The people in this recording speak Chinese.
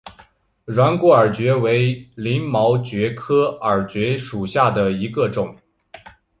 软骨耳蕨为鳞毛蕨科耳蕨属下的一个种。